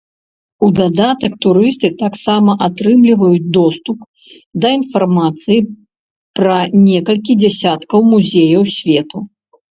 У дадатак турысты таксама атрымліваюць доступ да інфармацыі пра некалькі дзесяткаў музеяў свету.